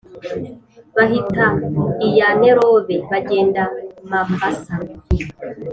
Bahita iya Nerobe, bagenda Mambasa;